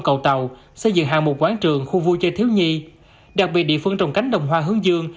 cầu tàu xây dựng hạng mục quán trường khu vui chơi thiếu nhi đặc biệt địa phương trồng cánh đồng hoa hướng dương